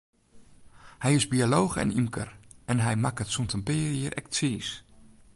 Hy is biolooch en ymker, en hy makket sûnt in pear jier ek tsiis.